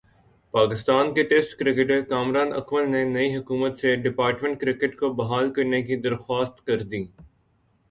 پاکستان کے ٹیسٹ کرکٹرکامران اکمل نے نئی حکومت سے ڈپارٹمنٹ کرکٹ کو بحال کرنے کی درخواست کردی۔